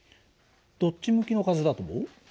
どっち向きの風だと思う？